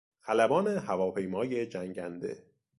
خلبان هواپیمای جنگنده